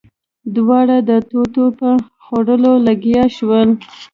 دواړه د توتو په خوړلو لګيا شول.